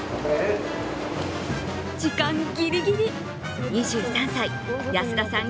時間ギリギリ、２３歳、安田さん